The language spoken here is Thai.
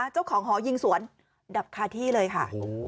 เจ้าของหอยิงสวนดับคาที่เลยค่ะ